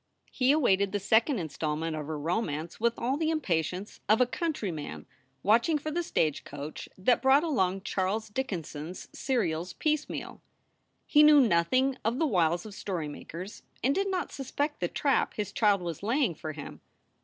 He awaited the second installment of her romance with all the impatience of a country man watching for the stagecoach that brought along Charles Dickens s serials piecemeal. He knew nothing of the wiles of story makers and did not suspect the trap his child was laying for him.